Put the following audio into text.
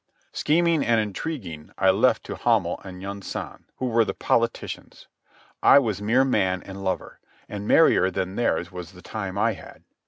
Scheming and intriguing I left to Hamel and Yunsan, who were the politicians. I was mere man and lover, and merrier than theirs was the time I had.